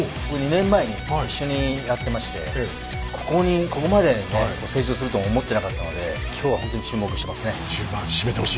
２年前に一緒にやっていましてここまで成長すると思っていなかったので今日は本当に注目しています。